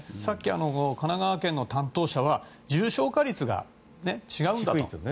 さっき、神奈川県の担当者は重症化率が違うんだと。